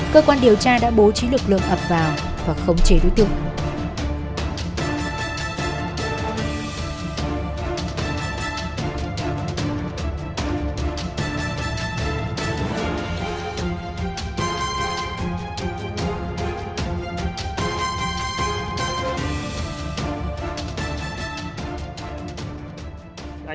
cơ quan điều tra đã bố trí lực lượng ập vào và khống chế đối tượng